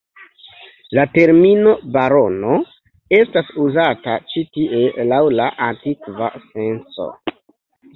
La termino barono estas uzata ĉi-tie laŭ la antikva senco.